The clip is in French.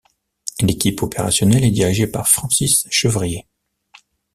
L'équipe opérationnelle est dirigée par Francis Chevrier.